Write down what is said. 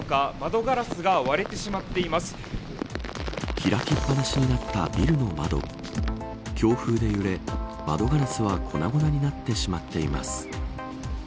開きっぱなしになったビルの窓強風で窓ガラスは粉々になってしまっています。